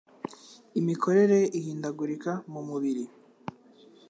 Imikorere ihindagurika mu mubiri